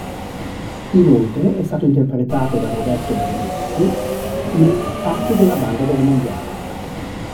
Inoltre è stato interpretato da Roberto Brunetti in Fatti della banda della Magliana.